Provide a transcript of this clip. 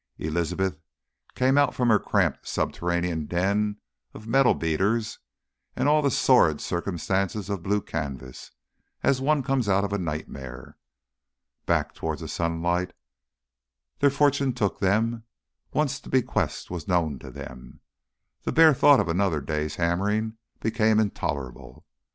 Elizabeth came out from her cramped subterranean den of metal beaters and all the sordid circumstances of blue canvas, as one comes out of a nightmare. Back towards the sunlight their fortune took them; once the bequest was known to them, the bare thought of another day's hammering became intolerable.